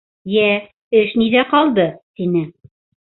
— Йә, эш ниҙә ҡалды? — тине.